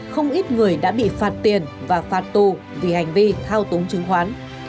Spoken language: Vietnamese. không ít người đã bị phạt tiền và phạt tù vì hành vi thao túng chứng khoán